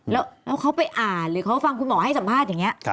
แล้วเขาไปอ่านหรือเขาฟังคุณหมอให้สัมภาษณ์อย่างนี้